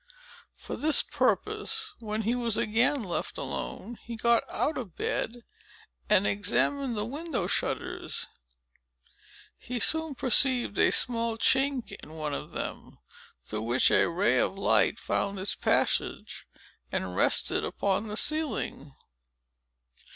For this purpose, when he was again left alone, he got out of bed, and examined the window shutters. He soon perceived a small chink in one of them, through which a ray of light found its passage, and rested upon the ceiling.